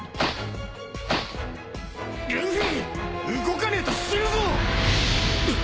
動かねえと死ぬぞ！